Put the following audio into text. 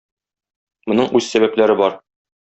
Моның үз сәбәпләре бар.